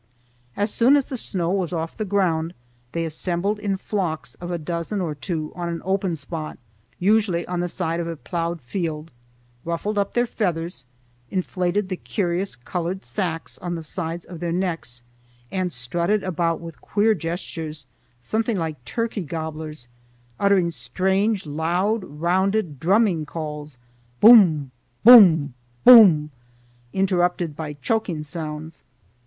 As soon as the snow was off the ground, they assembled in flocks of a dozen or two on an open spot, usually on the side of a ploughed field, ruffled up their feathers, inflated the curious colored sacks on the sides of their necks, and strutted about with queer gestures something like turkey gobblers, uttering strange loud, rounded, drumming calls,—boom! boom! boom! interrupted by choking sounds.